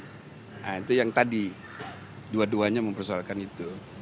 nah itu yang tadi dua duanya mempersoalkan itu